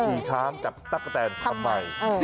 ผีช้างจับตัวแสนทำไม